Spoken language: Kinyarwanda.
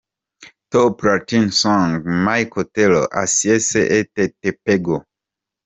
Top Latin Song: Michel Telo "Ai Se Eu Te Pego" .